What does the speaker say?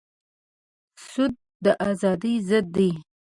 سود د ازادۍ ضد دی.